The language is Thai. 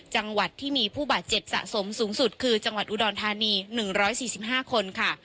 จังหวัดที่มีผู้บาดเจ็บสะสมสูงสุดคือจังหวัดอุดรธานี๑๔๕คนค่ะ